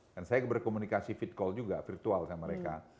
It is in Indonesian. dan saya berkomunikasi feed call juga virtual sama mereka